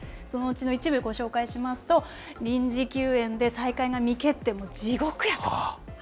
そのうちの一部ご紹介しますと、臨時休園で再開が未決定、もう地獄やと。